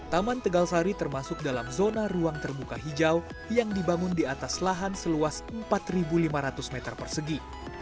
taman tegalsari termasuk dalam zona ruang terbuka hijau yang dibangun di atas lahan seluas empat lima ratus meter persegi